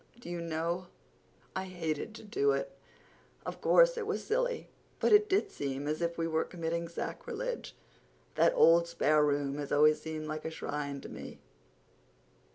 Do you know, I hated to do it? Of course, it was silly—but it did seem as if we were committing sacrilege. That old spare room has always seemed like a shrine to me.